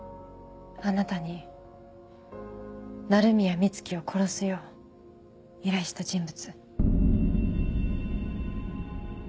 あなたに鳴宮美月を殺すよう依頼した人物。